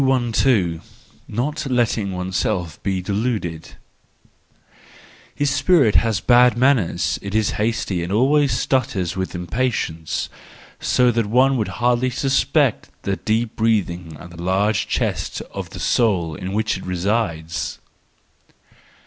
212. Not Letting oneself be Deluded. —His spirit has bad manners, it is hasty and always stutters with impatience ; so that one would hardly suspect the deep breathing and the large chest of the soul in which it resides.